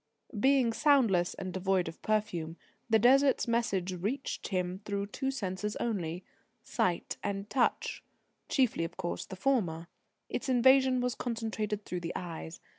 Being soundless, and devoid of perfume, the Desert's message reached him through two senses only sight and touch; chiefly, of course, the former. Its invasion was concentrated through the eyes.